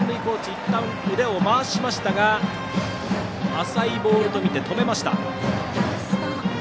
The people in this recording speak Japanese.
いったん腕を回しましたが浅いボールと見て、止めました。